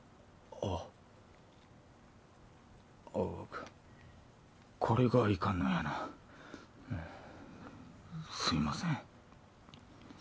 ああこれがいかんのやなすいません